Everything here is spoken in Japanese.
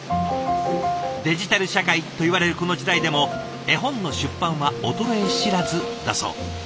デジタル社会といわれるこの時代でも絵本の出版は衰え知らずだそう。